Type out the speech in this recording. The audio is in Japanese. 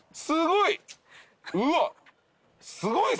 すごい！